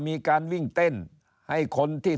มีการวิ่งเต้นให้คนที่